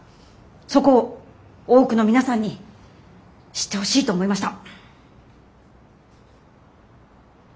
そこを多くの皆さんに知ってほしいと思いました。